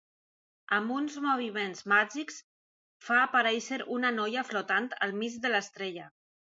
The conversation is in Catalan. Amb uns moviments màgics fa aparèixer una noia flotant al mig de l’estrella.